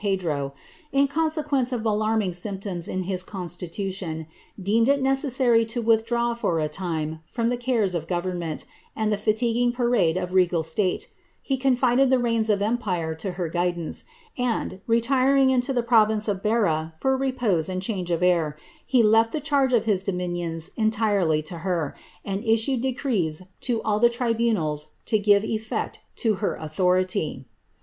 ef\ro^ in consequence of alarming symptoms in his constitution, deemed t necessary to withdraw for a time from the cares of government and Jie fatiguing parade of regal state, he confided the reins of empire to ler guidance, and, retiring into the province of Beira for repose and change of air, he left the charge of his dominions entirely to her, and ■sued decrees to all the tribunals to give effect to her authority.